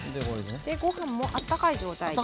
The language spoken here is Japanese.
ご飯もあったかい状態で。